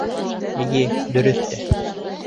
Эйе, дөрөҫ тә.